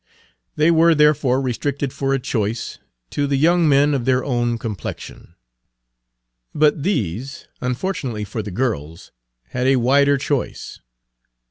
They were therefore restricted for a choice to the young men of their own complexion. But these, unfortunately for the girls, had a wider choice.